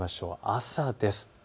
朝です。